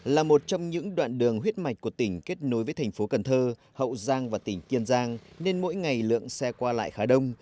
là một trong những đoạn đường huyết mạch của tỉnh kết nối với thành phố cần thơ hậu giang và tỉnh kiên giang nên mỗi ngày lượng xe qua lại khá đông